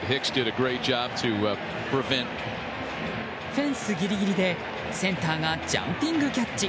フェンスギリギリでセンターがジャンピングキャッチ。